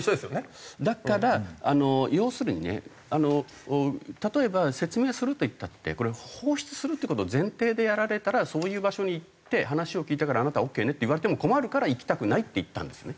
だから要するにね例えば説明するといったってこれ放出するという事を前提でやられたらそういう場所に行って話を聞いたからあなたはオーケーねって言われても困るから行きたくないって言ったんですよね。